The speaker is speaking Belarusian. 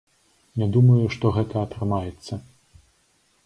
Не думаю, што гэта атрымаецца.